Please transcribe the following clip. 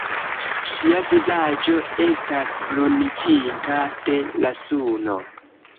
Ŝia vizaĝo estas bruniĝinta de la suno.